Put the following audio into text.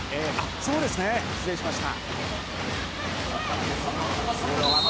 そうですね、失礼しました。